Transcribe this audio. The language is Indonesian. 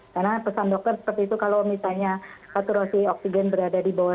karena pesan dokter seperti itu kalau misalnya saturasi oksigen berada di bawah sembilan puluh dua